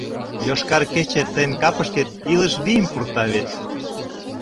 «Йошкар кече» тыйын капышкет илыш вийым пурта вет...